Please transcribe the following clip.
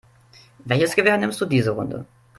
Welches Gewehr nimmst du diese Runde?